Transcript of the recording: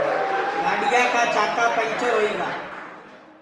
گاڈؔؔیا کا چاکا پنٚجر ہوئی گا